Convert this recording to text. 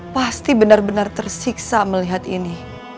pasti benar benar tersiksa melihat ini